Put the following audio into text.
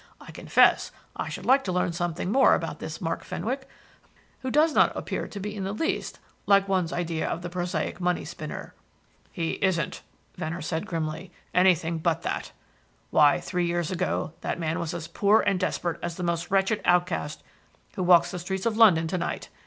I confess I should like to learn something more about this Mark Fenwick, who does not appear to be in the least like one's idea of the prosaic money spinner." "He isn't," Venner said grimly. "Anything but that. Why, three years ago that man was as poor and desperate as the most wretched outcast who walks the streets of London to night.